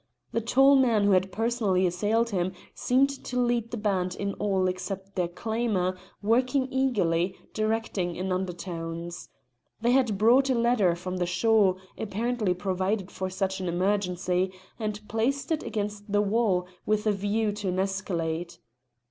The tall man who had personally assailed him seemed to lead the band in all except their clamour, working eagerly, directing in undertones. They had brought a ladder from the shore, apparently provided for such an emergency, and placed it against the wall, with a view to an escalade.